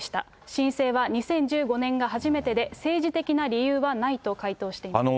申請は２０１５年が初めてで、政治的な理由はないと回答しています。